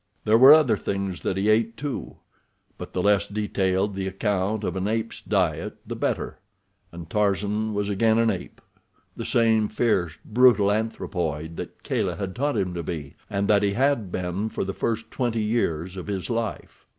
There were other things that he ate, too, but the less detailed the account of an ape's diet, the better—and Tarzan was again an ape, the same fierce, brutal anthropoid that Kala had taught him to be, and that he had been for the first twenty years of his life.